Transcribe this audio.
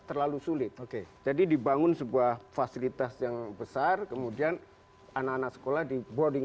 terlalu sulit oke jadi dibangun sebuah fasilitas yang besar kemudian anak anak sekolah di boarding